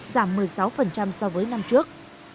giảm một mươi sáu so với năm trước